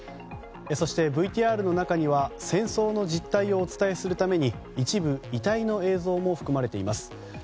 そしてＶＴＲの中には戦争の実態をお伝えするために一部遺体の映像も含まれています。